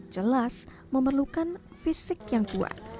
jelas memerlukan fisik yang kuat